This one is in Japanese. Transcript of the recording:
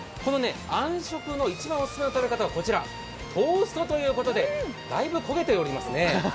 あん食の一番オススメの食べ方はトーストだということでだいぶ焦げておりますね。